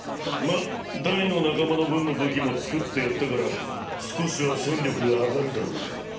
まっダイの仲間の分の武器も作ってやったから少しは戦力が上がるだろうが。